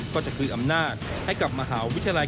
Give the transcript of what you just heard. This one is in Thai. ก็จะคืนอำนาจให้กับมหาวิทยาลัย